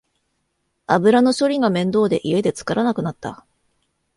油の処理が面倒で家で作らなくなった